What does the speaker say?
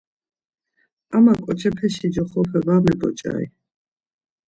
Ama ǩoçepeşi ncoxope var mebonç̌ari.